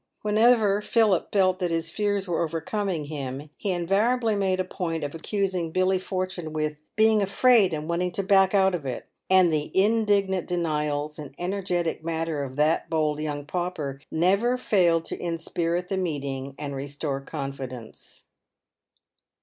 Whenever Philip felt that his fears were overcoming him, he invariably made a point of accusing Billy Fortune with " being afraid, and wanting to back out of it," and the indignant denials and energetic manner of that bold young pauper never failed to inspirit the meeting and restore confi dence.